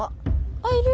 あっいる！